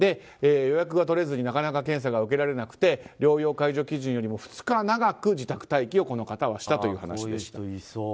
予約が取れずになかなか検査が受けられなくて療養解除基準より２日長く自宅待機をしたという話でした。